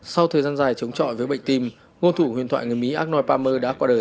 sau thời gian dài chống chọi với bệnh tim gôn thủ huyền thoại người mỹ arnold palmer đã qua đời